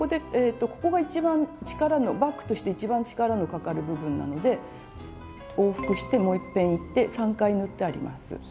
ここが一番バッグとして一番力のかかる部分なので往復してもういっぺんいって３回縫ってあります。